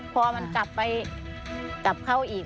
พอมันกลับเข้าอีก